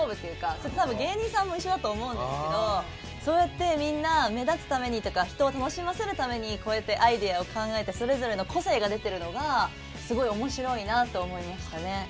そこは芸人さんも一緒だと思うんですけどそうやってみんな目立つためにとか人を楽しませるためにこうやってアイデアを考えてそれぞれの個性が出てるのがすごい面白いなあと思いましたね。